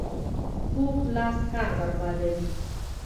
کوږ لاس کار بربادوي